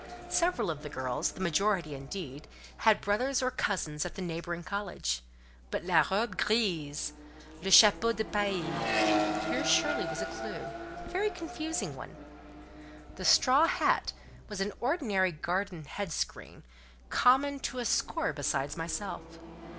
Several of the girls, the majority, indeed, had brothers or cousins at the neighbouring college. But "la robe grise, le chapeau de paille," here surely was a clue—a very confusing one. The straw hat was an ordinary garden head screen, common to a score besides myself.